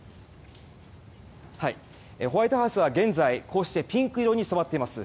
ホワイトハウスは現在こうしてピンク色に染まっています。